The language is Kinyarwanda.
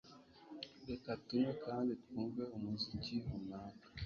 Reka tunywe kandi twumve umuziki runaka.